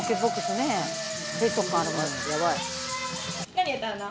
何歌うの？